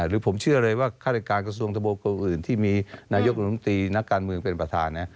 หรือผมเชื่อเลยว่าฆาตการกระทรวงทะโบอื่นที่มีนายกรมตรีนักการเมืองเป็นประธาน